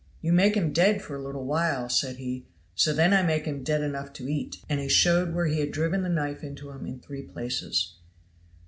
"You make him dead for a little while," said he, "so then I make him dead enough to eat;" and he showed where he had driven the knife into him in three places.